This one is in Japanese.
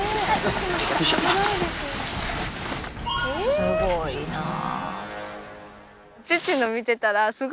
すごいなぁ。